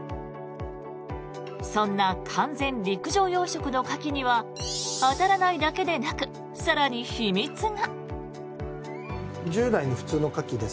そんな完全陸上養殖のカキにはあたらないだけでなく更に秘密が。